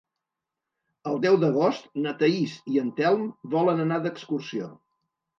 El deu d'agost na Thaís i en Telm volen anar d'excursió.